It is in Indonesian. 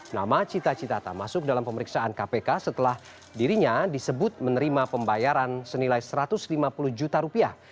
nama cita citata masuk dalam pemeriksaan kpk setelah dirinya disebut menerima pembayaran senilai satu ratus lima puluh juta rupiah